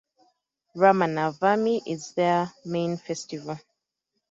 Rama Navami is their main festival.